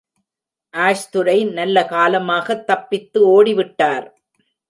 ஆஷ்துரை நல்லகாலமாகத் தப்பித்து ஓடிவிட்டார்.